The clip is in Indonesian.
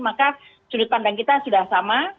maka sudut pandang kita sudah sama